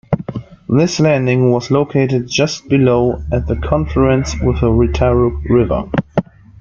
This landing was located just below at the confluence with the Retaruke River.